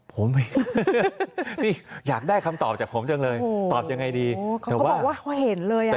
ผมนี่อยากได้คำตอบจากผมจังเลยตอบยังไงดีเขาบอกว่าเขาเห็นเลยอ่ะ